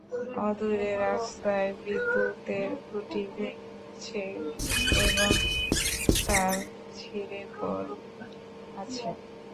অদূরে রাস্তায় বিদ্যুতের খুঁটি ভেঙে গেছে এবং তার ছিঁড়ে পড়ে আছে।